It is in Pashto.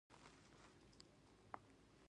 پاک زړه د خدای درشل ته نږدې وي.